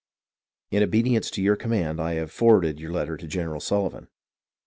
In obedience to your command I have forwarded your letter to General Sullivan."